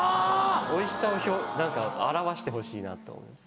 おいしさを表してほしいなと思います。